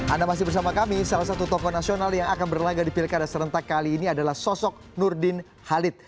anda masih bersama kami salah satu tokoh nasional yang akan berlaga di pilkada serentak kali ini adalah sosok nurdin halid